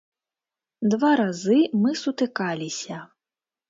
Два разы мы сутыкаліся.